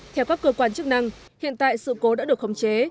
theo các cơ quan chức năng hiện tại sự cố đã được khống chế